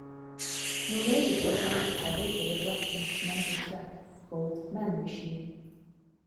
Moroder presented Harry with a rough instrumental track called "Man Machine".